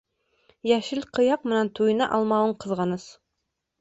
Йәшел ҡыяҡ менән туйына алмауым ҡыҙғаныс.